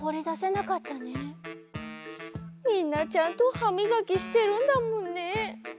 みんなちゃんとはみがきしてるんだもんね。